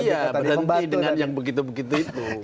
iya berhenti dengan yang begitu begitu itu